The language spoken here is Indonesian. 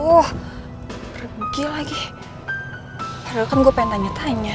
wuh pergi lagi padahal kan gue pengen tanya tanya